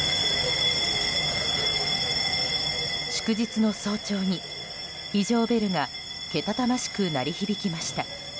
祝日の早朝に、非常ベルがけたたましく鳴り響きました。